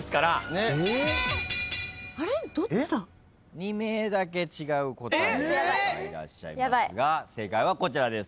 ２名だけ違う答えの方がいらっしゃいますが正解はこちらです。